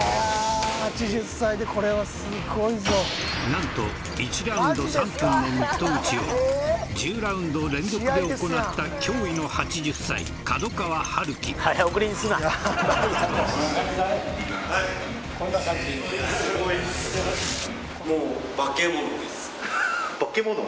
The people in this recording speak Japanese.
何と１ラウンド３分のミット打ちを１０ラウンド連続で行った驚異の８０歳角川春樹バケモノ？